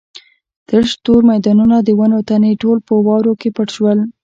تش تور میدانونه د ونو تنې ټول په واورو کې پټ شول.